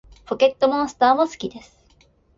ポケットモンスターも好きです